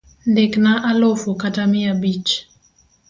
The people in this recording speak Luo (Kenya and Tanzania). Ndikna alufu kata mia abich.